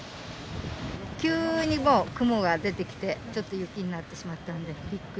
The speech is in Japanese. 急にもう雲が出てきて、ちょっと雪になってしまったんで、びっくり。